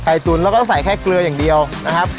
ไข่ตุ๋นเราก็ต้องใส่แค่เกลืออย่างเดียวนะครับ